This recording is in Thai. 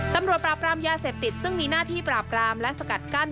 ตำรวจปราบรามยาเสพติดซึ่งมีหน้าที่ปราบรามและสกัดกั้น